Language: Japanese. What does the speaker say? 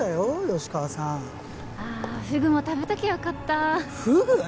吉川さんああフグも食べときゃよかったフグ！？